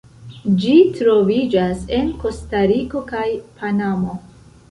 Ĝi troviĝas en Kostariko kaj Panamo.